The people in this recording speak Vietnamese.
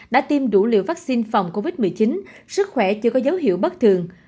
đã tiêm đủ liều vaccine phòng covid một mươi chín sức khỏe chưa có dấu hiệu bất thường